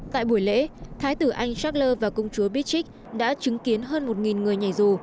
tại buổi lễ thái tử anh charles và công chúa beatrix đã chứng kiến hơn một người nhảy dù